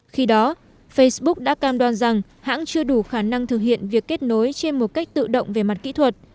khi đó facebook đã cam đoan rằng hãng chưa đủ khả năng thực hiện việc kết nối trên một cách tự động về mặt kỹ thuật